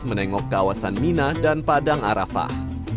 menengok kawasan mina dan padang arafah